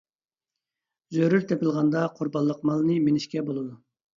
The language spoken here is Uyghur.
زۆرۈر تېپىلغاندا قۇربانلىق مالنى مىنىشكە بولىدۇ.